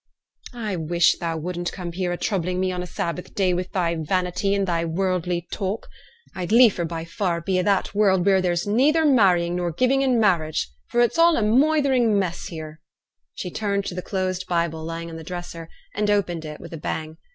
'I wish thou wouldn't come here troubling me on a Sabbath day wi' thy vanity and thy worldly talk. I'd liefer by far be i' that world wheere there's neither marrying nor giving in marriage, for it's all a moithering mess here.' She turned to the closed Bible lying on the dresser, and opened it with a bang.